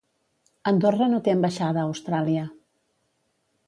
Andorra no té ambaixada a Austràlia.